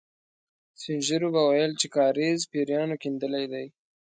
سپين ږيرو به ويل چې کاریز پېريانو کېندلی دی.